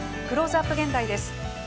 クローズアップ現代です。